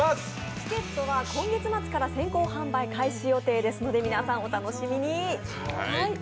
チケットは今月末から先行販売開始予定ですので皆さん、お楽しみに！